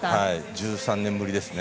１３年ぶりですね。